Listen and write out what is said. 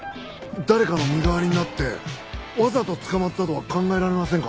誰かの身代わりになってわざと捕まったとは考えられませんか？